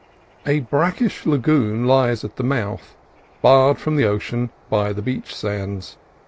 A brackish lagoon lies at the mouth, barred from the ocean by the beach sands.